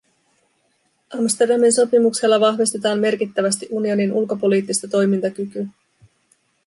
Amsterdamin sopimuksella vahvistetaan merkittävästi unionin ulkopoliittista toimintakykyä.